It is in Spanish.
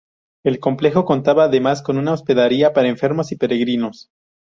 El complejo contaba además con una hospedería para enfermos y peregrinos.